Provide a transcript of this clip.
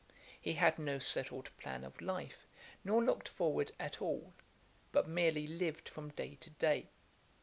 He had no settled plan of life, nor looked forward at all, but merely lived from day to day.